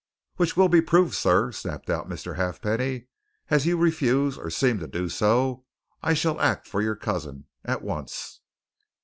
"Which will be proved, sir," snapped out Mr. Halfpenny. "As you refuse, or seem to do so, I shall act for your cousin at once."